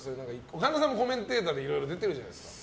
神田さんもコメンテーターでいろいろ出てるじゃないですか。